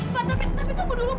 pak tapi tunggu dulu